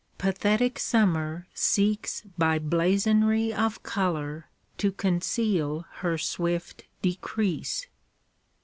Pathetic summer seeks by blazonry Of color to conceal her swift decrease.